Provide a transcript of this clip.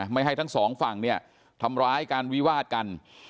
ไม่ให้ทั้งสองฝั่งเนี่ยทำร้ายกันวิวาดกัน